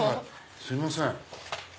すいません。